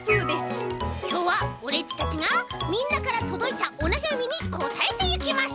きょうはオレっちたちがみんなからとどいたおなやみにこたえていきます！